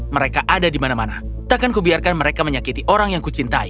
mereka ada di mana mana takkan kubiarkan mereka menyakiti orang yang kucintai